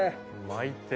巻いて。